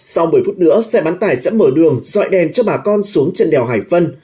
sau một mươi phút nữa xe bán tải sẽ mở đường dọi đèn cho bà con xuống chân đèo hải vân